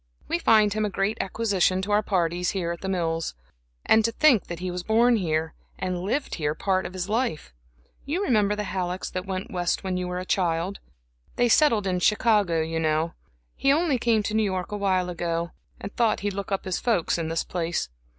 We find him a great acquisition to our parties here at The Mills. And to think that he was born here, and lived here part of his life! You remember the Hallecks that went West when you were a child? They settled in Chicago, you know. He only came to New York awhile ago, and thought he'd look up his folks in this place.